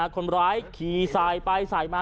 คนร้ายขี่สายไปสายมา